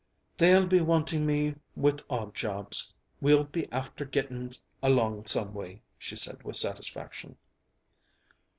"They'll be wanting me with odd jobs; we'll be after getting along some way," she said with satisfaction.